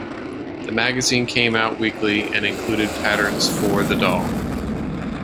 The magazine came out weekly and included patterns for the doll.